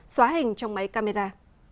xóa hình trong máy camera